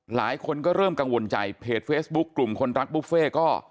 หลายคนก็เริ่มกังวลใจเพจเฟซบุ๊คกลุ่มคนรักบุฟเฟ่ก็